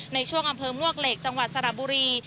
ในช่วงอำเภอมวกเหล็กจังหวัดสระบุรี